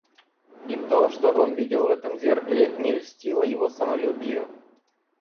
И то, что он видел в этом зеркале, не льстило его самолюбию.